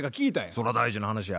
そら大事な話や。